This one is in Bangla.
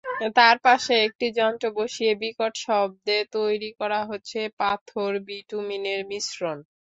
তার পাশে একটি যন্ত্র বসিয়ে বিকট শব্দে তৈরি করা হচ্ছে পাথর-বিটুমিনের মিশ্রণ।